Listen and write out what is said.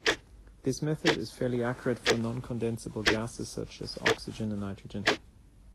This method is fairly accurate for non-condensible gases, such as oxygen and nitrogen.